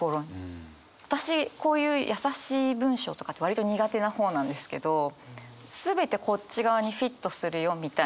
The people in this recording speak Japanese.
私こういう優しい文章とかって割と苦手な方なんですけど全てこっち側にフィットするよみたいな。